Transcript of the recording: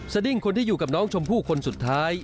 ดิ้งคนที่อยู่กับน้องชมพู่คนสุดท้าย